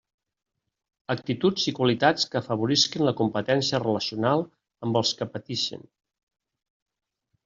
Actituds i qualitats que afavorisquen la competència relacional amb els que patixen.